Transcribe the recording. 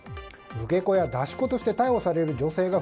受け子や出し子として逮捕される女性が